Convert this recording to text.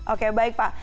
oke baik pak